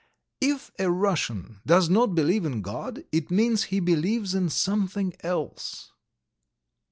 If a Russian does not believe in God, it means he believes in something else."